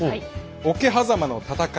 桶狭間の戦い